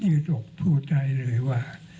ยืดอกพูดได้เลยว่า